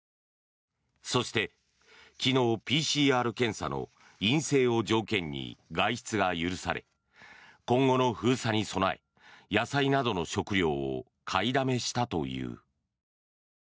そして、昨日ＰＣＲ検査の陰性を条件に外出が許され今後の封鎖に備え野菜などの食料を買いだめしたという。